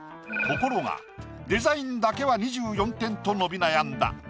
ところがデザインだけは２４点と伸び悩んだ。